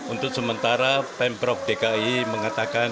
untuk sementara pemprov dki mengatakan